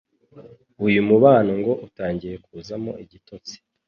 uyu mubano ngo utangiye kuzamo igitotsi.